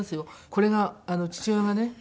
これが父親がね